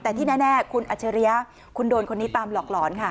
แต่ที่แน่คุณอัจฉริยะคุณโดนคนนี้ตามหลอกหลอนค่ะ